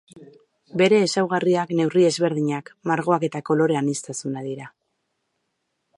Bere ezaugarriak neurri ezberdinak, margoak eta kolore aniztasuna dira.